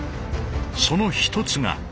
その一つが。